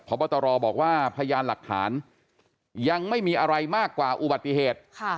พบตรบอกว่าพยานหลักฐานยังไม่มีอะไรมากกว่าอุบัติเหตุ